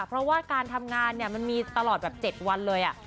เพราะว่าการทำงานมันมีตลอดแบบ๗วันเลย